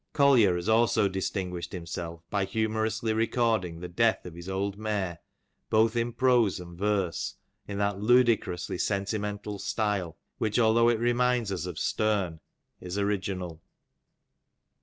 Collier has also distinguished himself by humorously recording the death of his old mare both in prose and verse, in that ludicrously sentimental style, which although it reminds us of Sterne is original.